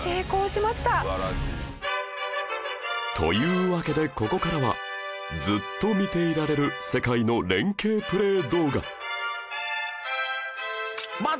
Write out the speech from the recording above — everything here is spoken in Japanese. というわけでここからはずっと見ていられる世界の連携プレー動画